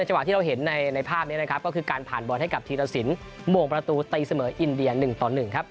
ที่เราเห็นในภาพนี้นะครับก็คือการผ่านบอลให้กับธีรสินหมวกประตูตีเสมออินเดีย๑ต่อ๑ครับ